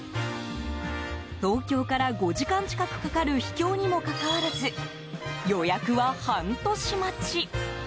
東京から５時間近くかかる秘境にもかかわらず予約は半年待ち。